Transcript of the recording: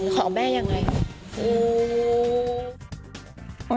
ของแม่ยังไง